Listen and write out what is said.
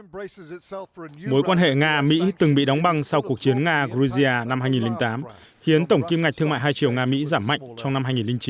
mối quan hệ nga mỹ từng bị đóng băng sau cuộc chiến nga gruzia năm hai nghìn tám khiến tổng kim ngạch thương mại hai triệu nga mỹ giảm mạnh trong năm hai nghìn chín